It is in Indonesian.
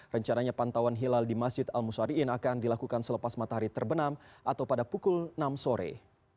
rencananya pantauan hilal di masjid al ⁇ sariin ⁇ akan dilakukan selepas matahari terbenam atau pada pukul enam sore